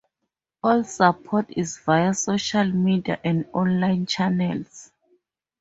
All support is via social media and online channels.